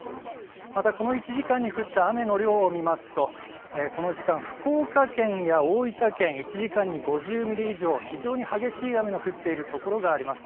またこの１時間に降った雨の量を見ますと、この時間、福岡県や大分県１時間に５０ミリ以上非常に激しい雨の降っている所があります。